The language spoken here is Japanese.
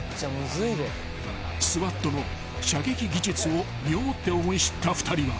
［ＳＷＡＴの射撃技術を身をもって思い知った２人は］